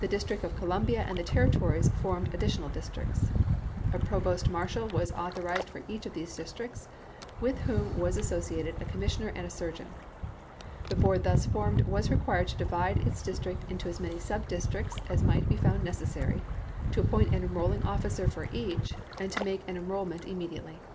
The Dis trict of Columbia and the Territories formed addi tional districts. A provost marshal was author ized for each of these districts, with whom was associated a commissioner and a surgeon. The board thus formed was required to divide its dis trict into as many sub districts as might be found necessary, to appoint an enrolling officer for each, and to make an enrollment immediately.